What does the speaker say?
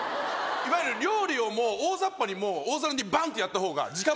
いわゆる料理をもう大ざっぱに大皿にバン！とやった方が。